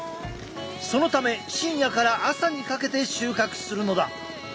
そのため深夜から朝にかけて収穫するのだ。